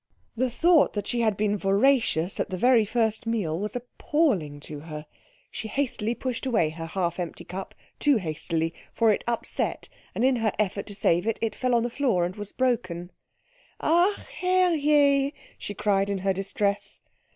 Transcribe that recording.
The thought that she had been voracious at the very first meal was appalling to her. She hastily pushed away her half empty cup too hastily, for it upset, and in her effort to save it it fell on to the floor and was broken. "Ach, Herr Je!" she cried in her distress.